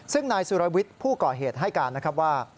ซึ่งนายสุรวิทย์ผู้ก่อเหตุให้การนะครับว่า